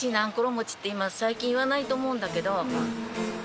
餅って今は最近言わないと思うんだけど。